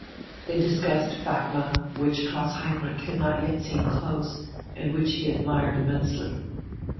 They discussed Fatma, which Klaus Heinrich had not yet seen close, and which he admired immensely.